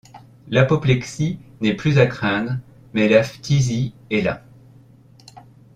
L’apoplexie n’est plus à craindre, mais la phthisie est là.